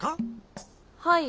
はい。